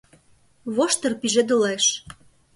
Воштыр пижедылеш.